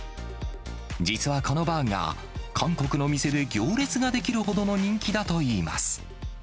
実はこのバーガー、韓国の店で行列が出来るほどの人気だといいます。